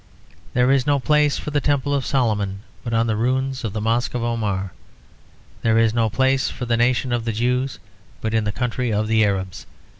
There is no place for the Temple of Solomon but on the ruins of the Mosque of Omar. There is no place for the nation of the Jews but in the country of the Arabs.